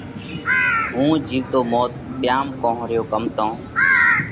ھُون جيوتو موت تيام ڪونھ ريو ڪم تو